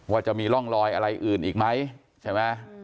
ว่าจะมีร่องรอยอะไรอื่นอีกไหมใช่ไหม